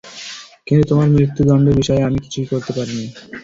কিন্তু তোমার মৃত্যুদণ্ডের বিষয়ে আমি কিছুই করতে পারিনি।